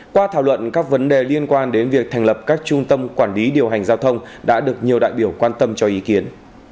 qua thảo luận các vấn đề liên quan đến việc thành lập các trung tâm quản lý điều hành giao thông đã được nhiều đại biểu quan tâm cho ý kiến